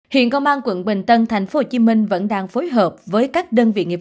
hiện công an quận bình tân tp hcm vẫn đang phối hợp với các đơn vị nghiệp